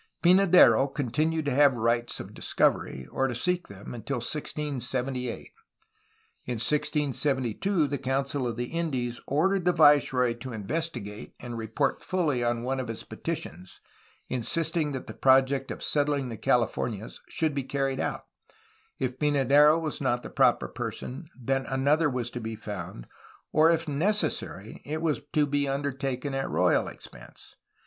Pynadero continued to have rights of discovery, or to seek them, until 1678. In 1672 the Council of the Indies 168 A HISTORY OF CALIFORNIA ordered the viceroy to investigate and report fully on one of his petitions, insisting that the project of settUng the Cahfornias should be carried out; if Pynadero was not the proper person, then another was to be found, or if necessary it was to be undertaken at royal expense.